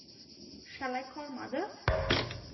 Shall I call mother?